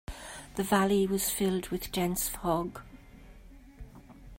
The valley was filled with dense fog.